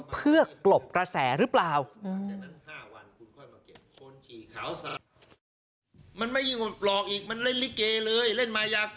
เพื่อกลบกระแสหรือเปล่า